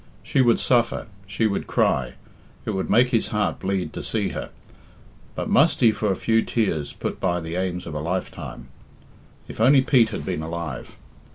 She would suffer, she would cry it would make his heart bleed to see her; but must he for a few tears put by the aims of a lifetime? If only Pete had been alive!